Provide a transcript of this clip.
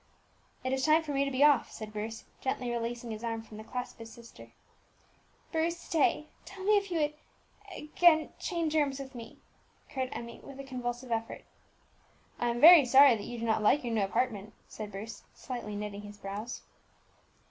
"It is time for me to be off," said Bruce, gently releasing his arm from the clasp of his sister. "Bruce, stay. Tell me if you would again change rooms with me," cried Emmie, with a convulsive effort. "I am very sorry that you do not like your new apartment," said Bruce, slightly knitting his brows.